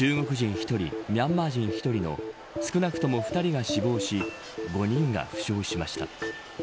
１人、ミャンマー人１人の少なくとも２人が死亡し５人が負傷しました。